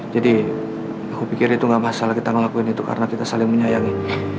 jadi aku pikir itu gak masalah kita ngelakuin itu karena kita saling menyayangi